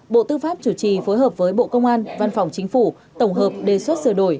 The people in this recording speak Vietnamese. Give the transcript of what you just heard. bộ tư pháp chủ trì phối hợp với bộ công an văn phòng chính phủ tổng hợp đề xuất sửa đổi